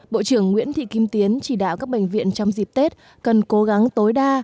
bộ trưởng nguyễn thị kim tiến chỉ đạo các bệnh viện trong dịp tết cần cố gắng tối đa